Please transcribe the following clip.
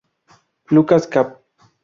Lucas, Cap.